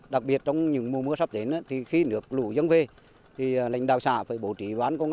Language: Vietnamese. đặc biệt trong những mùa mưa sắp đến thì khi được lũ dâng về thì lãnh đạo xã phải bổ trí ván công an